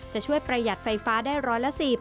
จะช่วยประหยัดไฟฟ้าได้ร้อยละ๑๐